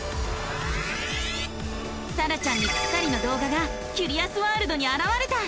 さらちゃんにぴったりの動画がキュリアスワールドにあらわれた！